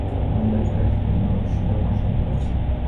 Mother চার্চের জন্য অবশ্য ধর্মের সান্ত্বনা আছে।